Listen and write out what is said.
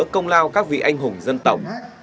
để công lao các vị anh hùng dân tổng